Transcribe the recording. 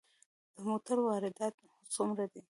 د موټرو واردات څومره دي؟